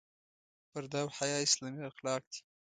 پرده او حیا اسلامي اخلاق دي.